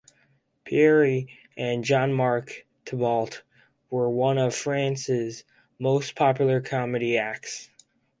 Pierre and Jean-Marc Thibault were one of France's most popular comedy acts.